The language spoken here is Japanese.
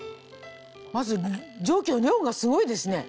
まず蒸気の量がすごいですね。